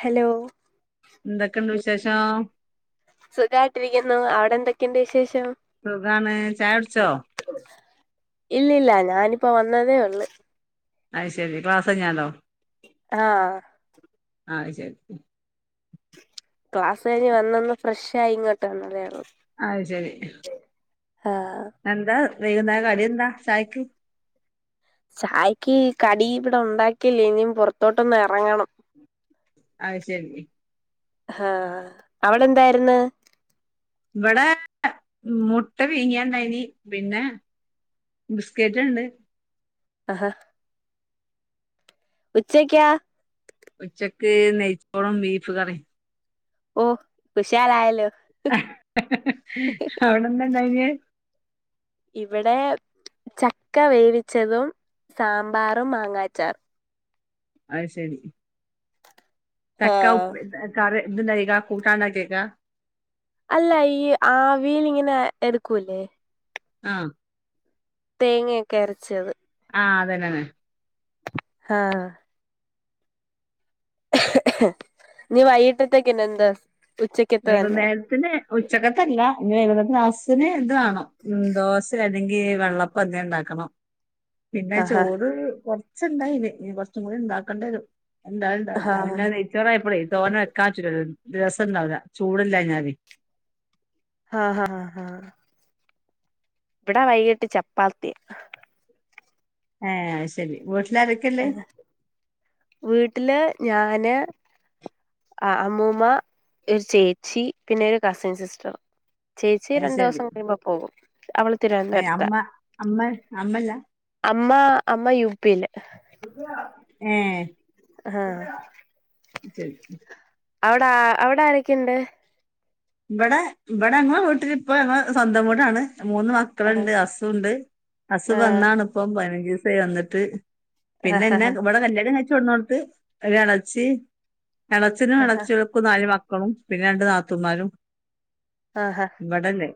Hello. എന്തൊക്കെണ്ട് വിശേഷം സുഖായിട്ടിരിക്കുന്നു അവിടെ എന്തൊക്കെണ്ട് വിശേ സുഖാണ് ചായടിച്ചോ ഇല്ലില്ല ഞാനിപ്പോ വന്നതേ ഉള്ളു. അയ് ശെരി ക്ലാസ് കൈഞാണ്ടോ ആഹ്‌ അയ് ശെരി ക്ലാസഴിഞ്ഞു വന്നൊന്ന് ഫ്രഷായി ഇങ്ങോട്ട് വന്നദെള്ളു അയ് ശെരി ആഹ് എന്താ വൈകുന്നരം കടിയെന്താ ചായക്ക് ചായക്ക് കടി ഇവിടെ ണ്ടാക്കിയില്ല ഇനിയും പുറത്തോട്ടൊന്ന് എറങ്ങണം. അയ് ശെരി ഹാ... അവ്ടെന്തായിര്ന്ന് ഇവിടെ മുട്ട പീങ്ങിയണ്ടൈനി പിന്നെ ബിസ്കേറ്റ് ണ്ട് ഹ ഹാ. ഉച്ചക്കാ ഉച്ചക്ക് നെയ്ച്ചോറും ബീഫ് കറിം ഓ കുശാലായല്ലോ അ ഹ് അവിടെന്താണ്ടായീനെ ഇവിടെ ചക്ക വേവിച്ചതും സാമ്പാറും മാങ്ങാച്ചാറും അയ് ശെരി ചക്ക ആഹ് ഉപ് കറി ത്ണ്ടാക്കെക്കാ കൂട്ടാണ്ടാക്കെക്കാ അല്ല ഈ ആവീൽങ്ങനെ എടുക്കൂലെ ആഹ് തേങ്ങൊക്കെ അരച്ചത് ആ അതന്നെണ് ആഹ് നി വയ്യിട്ടത്തെക്കിതെന്ത് വൈകുന്നേരത്തിന് ഉച്ചക്കത്തല്ല [unintelligible] ഇത് വേണം മ് ദോശ അല്ലെങ്കി വെള്ളപ്പന്തെണ്ടാക്കണം പിന്നെ ആഹാ ചോറ് കൊ ച്ച്ണ്ടായിന് ഇനി കൊറച്ചും കൂടിണ്ടാക്കണ്ടെ വരും എന്തായാലും ഒണ്ടാവൂല ഹാ അത് പിന്നെ ഹാ നെയ്ച്ചോറായി പോയെ തോനെ വെക്കാ [unintelligible] രസണ്ടാവൂല്ല ചൂടില്ലാഞ്ഞാലെ ഹാ ഹാ ഹാ ഇവിടെ വൈയിട്ട് ചപ്പാത്തി ഏ ശെരി [inaudible] [unintelligible] വീട്ടില് ഞാന് ആ അമ്മൂമ്മ ഒരു ചേച്ചി പിന്നെ ഒരു കസിൻ സിസ്റ്ററും ചേച്ചി അത് ശരി രണ്ടുസം കഴിയുമ്പോ പോവും അവള് ഏഹ് തിരുവന്തുരത്താ അമ്മ [unintelligible] അമ്മ അമ്മല്ല അമ്മ അമ്മ യു പിയില് ആഹ് ഏ അവിടാ അവിടാരൊക്കെയുണ്ട് ഇവിടെ ഇവിടെ അങ്ങെ വീട്ടില് ഇപ്പ സ്വന്തം വീടാണ് മൂന്ന് ആഹ് മക്കളുണ്ട് അസുണ്ട് അസു വന്നാണിപ്പം പൈനഞ്ചസായി വന്നിട്ട് പിന്നെ ആഹ് എന്നെ ആഹ് ഇവിടെ കല്യാണം കഴിച്ചോടന്നോടുത്ത് കല്യാണാച്ച് ഇളേച്ചനും ആഹ് ഇളേച്ചികൾക്കും നാല് മക്കളും പിന്നെ രണ്ട് നാത്തൂന്മാരും ആഹ് ഇവിടല്ലേ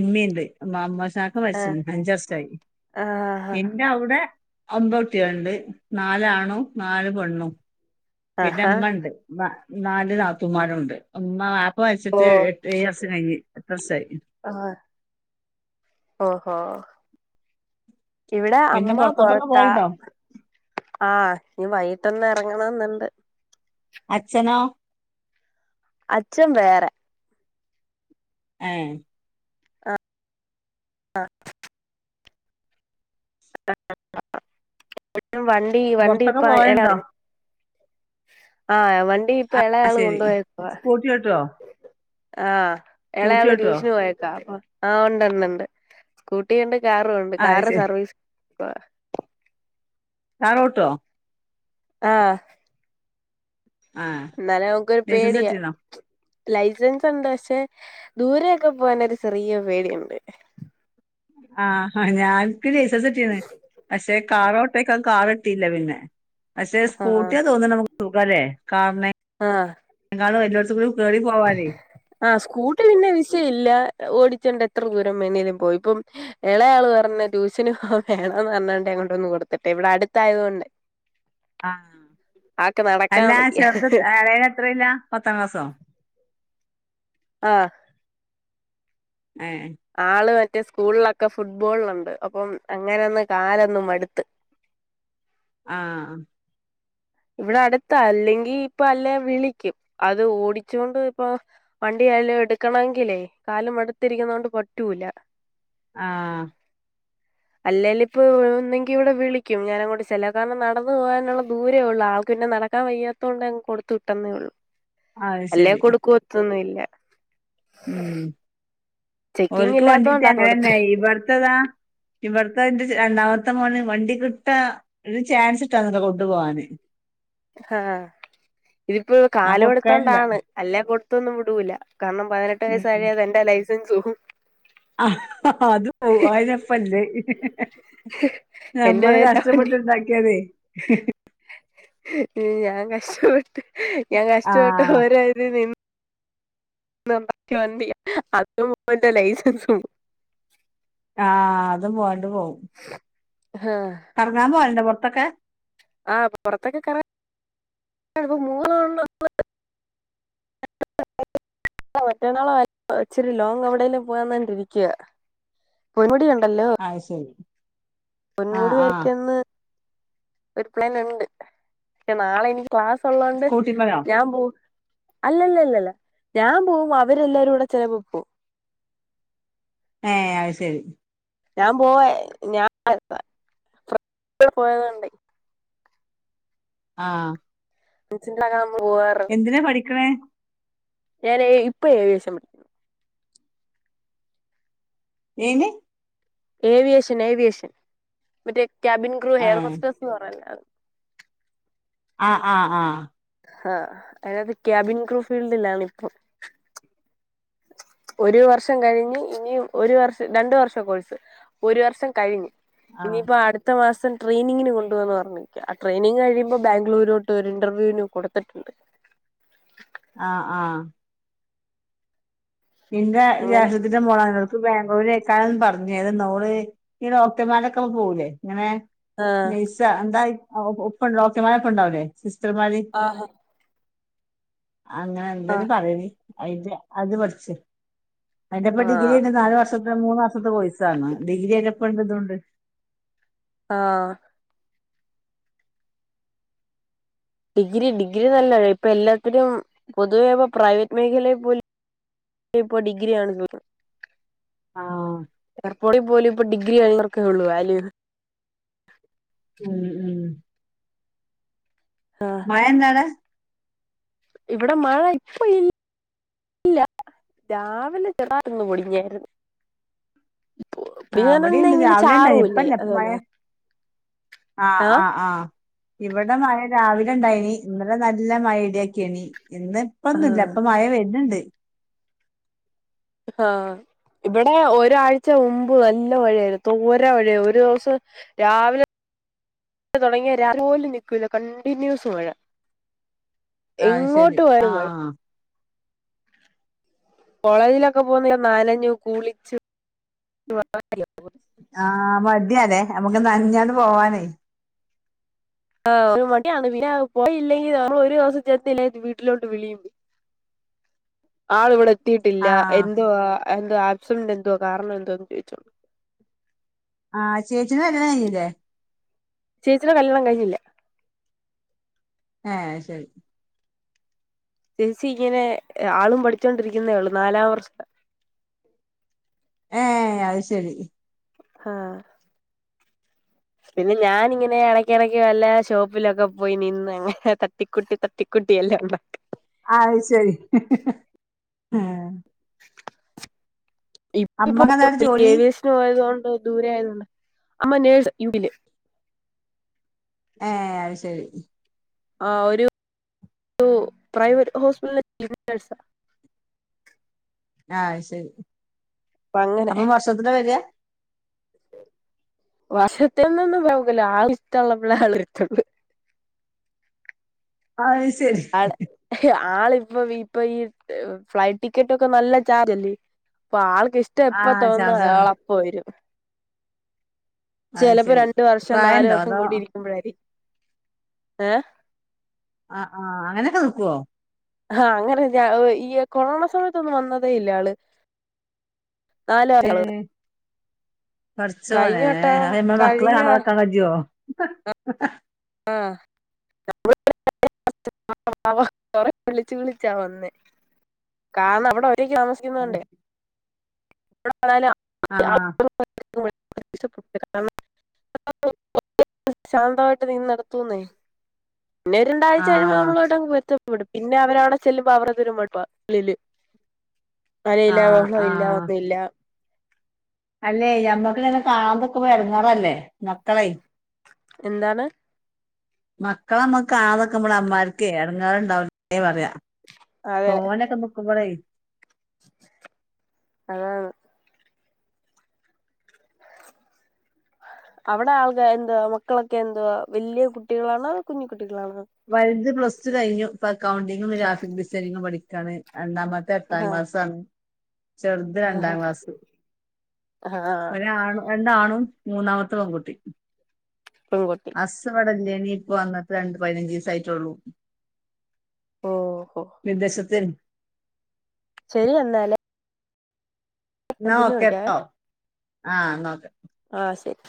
ഇമ്മിയുണ്ട് മാമ്മശ് ആഹ് ഇത്താക്ക് [unintelligible] ആഹ് ആഹ് പിന്നെ അവിടെ അമ്പത്തിയൊണ്ട് നാലാണുംനാല് പെണ്ണും പിന്നെ ആഹാ അമ്മണ്ട് നാ നാല് നാത്തൂമ്മാരുണ്ട് ന്നാ ആ പൈസ [unintelligible] ഓ ഏഴ് വർഷം കഴിഞ്ഞ് എട്ട് വർഷായി ഓഹോ ഇവിടെ പിന്നെ അമ്മ പുറത്തോട്ടൊക്കെ പൊറത്താ പോയല്ലോ ആ നീ വൈ ട്ടെന്ന് എറങ്ങണന്ന്ണ്ട് അച്ഛനോ അച്ഛൻ വേറെ ഏ ആ വണ്ടി വണ്ടിപ്പ പുറത്തൊക്കെ പോയണ്ടോ [unintelligible] ആ വണ്ടി ഇപ്പൊ ആ എളെയാള് ശരി കൊണ്ടോയെക്കുവാ സ്കൂട്ടി ഓട്ടുവോ ആ സ്കൂട്ടി എളെയാള് ഓട്ടുവോ ട്യൂഷന് പോയേക്കാ ആ ഒണ്ടോണ്ടോണ്ട് സ്കൂട്ടി ഒണ്ട് കാറുവൊണ്ട് ആ അത് കാറ് ശരി സർവീസ് [unintelligible] കാറോട്ടുവോ ആ ആ എന്നാലും നമുക്കൊരു ലൈസൻസ് പേടിയാ കിട്ടീണോ ലൈസൻസ് ഒണ്ട് പക്ഷെ ദൂരെ ഒക്കെ പോവാനൊരു ചെറിയ പേടിയൊണ്ട് ആ ഞാൻ ക്ക് ലൈസൻസ് കിട്ടീണ് പക്ഷെ കാറോട്ടേക്കാൻ കാർ കിട്ടില്ല പിന്നെ പക്ഷെ സ്കൂട്ടിയ തോന്നണ് മുക്ക് സുഖല്ലേ കാറിനെ ആ [unintelligible] പോവാനേ ആ സ്കൂട്ടി പിന്നെ വിഷയില്ല ഓടി [unintelligible] എത്ര ദൂരം വെണേലും പോയി ഇപ്പം എളെയാള് പറഞ്ഞ് ട്യൂഷന് വേണോന്ന് പറഞ്ഞാണ്ട് എങ്ങോട്ടൊന്ന് കൊ കൊടുത്തിട്ടെ ഇവിടെ അടുത്തായോണ്ടെ ആ നടക്കാൻ അല്ല വയ്യ ചെറുത് എളേതെത്രയിലാ? പത്താം ക്ലാസോ ആ ഏഹ് ആള് വൽ ൻ്റെ സ്കൂളിലൊക്കെ ഫുട്ബോളിലൊണ്ട് അപ്പം അങ്ങനൊന്ന് കാലൊന്ന് മടുത്ത് ആ ആ ഇവിടെ അടുത്ത അല്ലെങ്കിൽ ഇപ്പൊ അല്ലേ വിളിക്കും. അത് ഓടിച്ചുകൊണ്ട് ഇപ്പൊ വണ്ടി [unintelligible] എടുക്കണെങ്കിലേ കാലും എടുത്തിരിക്കുന്ന കൊണ്ട് പറ്റൂല. ആ അല്ലേല് ഇപ്പൊ ഒന്നെങ്കി ഇവിടെ വിളിക്കും ഞാനങ്ങോട്ട് ചെല്ല കാരണം നടന്നു പോകാനുള്ള ദൂര രേ ഒള്ളൂ ആൾക്ക് പിന്നെ നടക്കാൻ വയ്യാ ത്തോണ്ടങ്ങ് കൊടുത്ത് വിട്ടന്നേ ഒള്ളൂ. അത് അല്ലേ ശരി കൊടുക്കുവത്തൊന്നുല്ല. ഉം ചെക്കിങ് ഓൽക്ക് വണ്ടിട്ടിയാ ഇല്ലാത്തോണ്ടാ കൊടുത്തെ അങ്ങനെന്നായി ഇബട്ത്തതാ ഇവട്ത്തെ എന്റെ ചെ രണ്ടാമത്തെ മോന് വണ്ടി കിട്ടാ ൽ ചാൻസ് [unintelligible] കൊണ്ടു പോവാന്. ആ ഇതിപ്പോ ഞാൻ കാലം കൊടുക്കലില്ല എടുത്തോണ്ടാണ് അല്ല കൊടുത്തൊന്നും വിടൂല. കാരണം പതിനെട്ട് ഉം വയസ്സായ അത് എന്റെ ലൈസൻസ് പോവും ആ അത് പോവും അതെന്നെപ്പല്ലേ എന്റെ നമ്മള് പേരിലാ വണ്ടി കഷ്ടപ്പെട്ടിണ്ടാക്കിയതെ ഞാൻ കഷ്ടപ്പെട്ട് ഞാൻ ആ കഷ്ടപ്പെട്ട ഓരോ ഇത് നി ഞാണ്ടാക്കിയ വണ്ടിയാ അതും പോകും എന്റെ ലൈസൻസും പോ ആഹ അതും പോവാ [unintelligible] പോകും. കറങ്ങാ പോല്ന്റെ പൊർത്തൊക്കെ ആഹ പൊർത്തൊക്കെ കറ ഇപ്പ [unintelligible] [inaudible] മറ്റേന്നാള ഇച്ച് രി ലോങ്ങ് എവിടെലും [unintelligible] ഇരിക്ക [unintelligible] അയ് ശരി പെൺ ആ വീട് ആ കാർക്കിന്ന് ഒരു പ്ലാൻ ഇണ്ട് [unintelligible] നാളെ എനി ക്ലാസ്സ് ഉള്ളോണ്ട് സ്കൂട്ടിമ്മലോ ഞാൻ പോവും അല്ലല്ല അല്ലല്ല ഞാൻ പോകുമ്പോ അവരെല്ലാരൂടെ [unintelligible] പോ ഏ അയ് ശെരി ഞാൻ പോയ ഞാൻ [unintelligible] ആ [unintelligible] എന്തിനാ പഠിക്ക്ണേ? ഞാൻ ഇപ്പ ഏവിയേഷൻ പഠിക്കുന്നു. ഏന് ഏവിയേഷൻ ഏവിയേഷൻ മറ്റേ ക്യാബിൻ ക്രൂ ആ ഹെയർഹോസ്റ്റേഴസ് എന്ന് പറയില്ലേ അത്. ആ ആ ആ ആ [unintelligible] ക്യാബിൻ ക്രൂ ഫീൽഡിലാണ് ഇപ്പൊ ഒരു വർഷം കഴിഞ്ഞ് ഇനും ഒരു വർഷം രണ്ട് വർഷാ കോഴ്സ്. ഒരു വർഷം കഴിഞ്ഞ് ആ ഇനിയിപ്പോ അടുത്ത മാസ സം ട്രെനിങ്ങിന് കൊണ്ടോകാ പർഞ്ഞ്ക്ക. ആ ട്രെയിനിങ് കഴിയുമ്പോ ബാംഗ്ലൂരോട്ട് ഒരു ഇന്റർവ്യൂന് കൊടുത്തിട്ടുണ്ട്. [inaudible] ആ ആ ഇന്റെ അങ്ങനെ ജേഷ്‌ടത്തിന്റെ മോള് [unintelligible] ബാഗ്ലൂരേക്കാരംന്ന് പറഞ്ഞതന്നോള് ഈ ഡോക്ടർമാരൊക്കൊപ്പം പോവൂലേ ഇങ്ങനെ ആഹ് നെയ്‌സാ എന്തായി [unintelligible] ഉപ്പ ഡോക്ടർമാരോടൊപ്പം ഉണ്ടാവില്ലേ ത്രമാരി ആഹാ അങ്ങനെ എന്തയ്ന് ആഹ് പറയല് അയ്ന്റെ അത് പഠിച്ച് അയ്ന്റെപ്പോ ആഹ് ഡിഗ്രിണ്ട് നാല് വർഷത്തെ മൂന്ന് വർ [unintelligible] സാണ് ഡിഗ്രി കഴിഞ്ഞപ്പോ [unintelligible] ആ ഡിഗ്രി ഡിഗ്രി നല്ലതാ ഇപ്പൊ എല്ലാത്തിനും പൊതുവേ ഇപ്പൊ പ്രൈവറ്റ് മേഖലയിൽ പോലും ഇപ്പൊ ഡിഗ്രിയാണ് [unintelligible] ആഹ് എർപോടിൽ പോലും ഇപ്പൊ ഡിഗ്രി കഴിഞ്ഞോർക്കൊള്ളു വാല്യു ഉം ഉം ആഹ് മഴണ്ടവ്ടെ ഇവിടെ മഴ ഇപ്പയി ഇല്ല രാവിലെ പെടാ ന്ന് [unintelligible] ആഹ് [unintelligible] ഇവിടെണ്ട് ഇങ്ങനെ ചാറൂല്ലേ [unintelligible] ആ ആഹ് ആ ആ ഇവിടെ മഴ രാവിലെ ഇണ്ടായിനി ഇന്നലെ നല്ല മഴിം ഇടിയൊക്കേനി ഇന്ന് ഇപ്പൊന്നുല്ല ആഹ് ഇപ്പൊ മഴ വെര്ന്ണ്ട് ഹാ ഇവിടെ ഒരാഴ്ച മുമ്പ് നല്ല മഴയായി തോരാമഴയ ഒരു ദിവസം രാവിലെ തൊടങ്ങിയ [unintelligible] പോലും നിക്കൂല കണ്ടിന്യൂസ് മഴ ആഹ് ശരി എങ്ങോട്ട് പോയാലും മഴ ആഹ് കോളേജിലൊക്കെ പോകുന്നത് നനഞ്ഞു കുളിച്ച് [inaudible] ആ മടിയാല്ലേ നമുക്ക് നഞ്ഞാണ്ട് പോവാനേ [unintelligible] പോയില്ലെങ്കി [unintelligible] നമ്മളൊരു ദിവസം ചെന്നില്ലെങ്കി വീട്ടിലോട്ട് വിളിയും ആളിവിടെ എത്തീട്ടില്ല ആഹ് എന്തുവാ എന്തോ ആക്സിഡന്റ് എന്തോ കാരണം എന്തോന്ന് ചോദിച്ചോ ആഹ് ചേച്ചിന്റെ കല്യാണം കഴിഞ്ഞില്ലേ ചേച്ചിടെ കല്യാണം കഴിഞ്ഞില്ല ആ ശരി ചേച്ചി ഇങ്ങനെ ആളും പഠിച്ചോണ്ടിരിക്കുന്നേള്ളു നാലാം വർഷാ ഏ അത് ശരി ഹാ പിന്നെ ഞാനിങ്ങനെ എടക്കെടക്ക് വല്ല ഷോപ്പിലൊക്കെ പോയി നിന്ന് അങ്ങനെ തട്ടിക്കൂട്ടി തട്ടികൂ കുട്ടിയല്ല [unintelligible] അത് ശരി [unintelligible] അമ്മക്ക് എന്താണ് ജോലി ഏവിയേഷന് പോയതോ ദൂര ആയത്ണ്ട് അമ്മ നേഴ് [unintelligible] ഏ അത് ശരി ആ ഒരു പ്രൈവറ്റ് ഹോസ്പിറ്റലില് [unintelligible] നെഴ്‌സാ ആ ശരി അപ്പൊ വർഷത്തിലാ വെരാ വർഷത്തിനൊന്നും [unintelligible] ആള് ഇള്ളപളെ ആള് ഇത്തുള്ളൂ ആ ആള് ആളിപ്പൊ ഇപ്പൊ ഈ ഫ്ലൈറ്റ് ടിക്കറ്റൊക്കെ നല്ല ചാർജ്ല്ലേ അപ്പൊ ആള് ഇഷ്ടം ആ എപ്പ തോന്നൊ ഷാർജാണ് ആളപ്പൊ വരും അത് ചെലപ്പോ ശരി രണ്ടു വർഷം നാലു പ്രായണ്ടോ വർഷം അതോ കൂടിയിരിക്കുമ്പോഴാര് ഏ ആ ആ അങ്ങനൊക്കെ നിക്കോ ആ അങ്ങനെ [unintelligible] ഈ കൊറോണ സമയത്തൊന്നും വന്നതേ ഇല്ലാള് നാല [unintelligible] പടച്ചോനേ അയ്മ്മട മക്കള് കഴിഞ്ഞ കാണാതെക്കാൻ കജേജാ ആ [inaudible] [unintelligible] കൊറെ വിളിച്ചു വിളിച്ചാ വന്നേ കാണ [unintelligible] റ്റക്ക് താമസിക്കുന്നോണ്ടെ [unintelligible] [unintelligible] [unintelligible] ആ നടത്തൂന്നെ പിന്നെ രണ്ടാഴ്ച ആ കഴുമ്പോ നമ്മളു മായിട്ട് അങ്ങ് എത്തും [unintelligible] പിന്നെ അവരവിടെ ചെല്ലുമ്പോ അവർ [unintelligible] ആ അലയില്ല ബഹളോ ഇല്ല ഒന്നും ഇല്ല അല്ലെയ് ഞമ്മക്ക്ങ്ങനെ കാണാതെക്കുമ്പോ ഒരടങ്ങേറല്ലേ മക്കളെയ് എന്താണ് മക്കളെ നമ്ക്ക് കാണാതൊക്കെ അമ്മാർക് എടങ്ങാറുണ്ടാവലേ പറയാ അതെ തോനെക്കെ നിക്കുമ്പളയ് അതാണ് [inaudible] അവിടെ ആളെന്തുവാ മക്കളൊക്കെന്തുവാ വലിയ കുട്ടികളാണോ കുഞ്ഞു കു വൽത് പ്ലസ് ടു കഴിഞ്ഞു ഇപ്പൊ അക്കൗണ്ടിങ്ങും ഗ്രാഫിക് ഡിസൈനിങ്ങും പഠിക്കാണ് രണ്ടാമത്തെ എട്ടാം ആഹ് ക്ലാസ്സാണ് ചെറുത് ആഹ് രണ്ടാം ക്ലാസ്സ്. ആഹ് ഒരാണ് രണ്ടാണും മൂന്നാമത്തെ പെൺകുട്ടി പെൺകുട്ടി ഹസ്സ് ഇവിടെല്ലേ ജിപ്പം വന്നിട്ട് പതിനഞ്ചീസായിട്ടൊള്ളൂ ഓഹോ വിദേശതെ ശരി എന്നാല് ന്നാ ഒക്കെ ട്ടോ ആ ന്നാ ഒക്കെ ആ ശരി